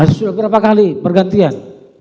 sudah berapa kali pergantian